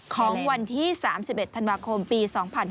ของวันที่๓๑ธันวาคมปี๒๕๕๙